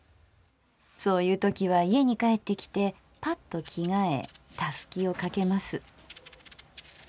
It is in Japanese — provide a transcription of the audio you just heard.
そういうときは家に帰ってきてパッと着替えたすきをかけます。